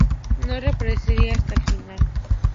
No reaparecería hasta la final.